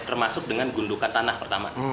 termasuk dengan gundukan tanah pertama